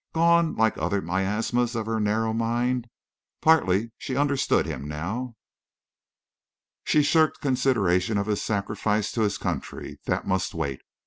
Gone—like other miasmas of her narrow mind! Partly she understood him now. She shirked consideration of his sacrifice to his country. That must wait.